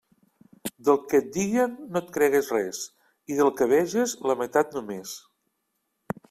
Del que et diguen no et cregues res, i del que veges, la meitat només.